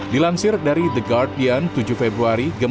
dilansir dari the guardian tujuh februari